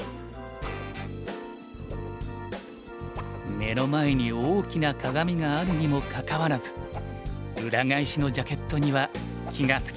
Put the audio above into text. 目の前に大きな鏡があるにもかかわらず裏返しのジャケットには気が付きませんでした。